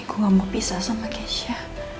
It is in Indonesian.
gua gak mau pisah sama kesha